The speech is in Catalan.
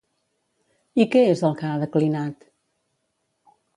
I què és el que ha declinat?